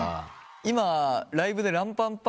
今。